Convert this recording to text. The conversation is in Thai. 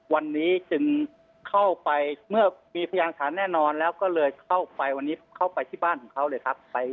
วันนี้จึงเข้าไปเมื่อมีพยานฐานแน่นอนแล้วก็เลยเข้าไปวันนี้เข้าไปที่บ้านของเขาเลยครับ